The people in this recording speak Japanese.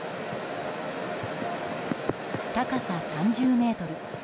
高さ３０ｍ。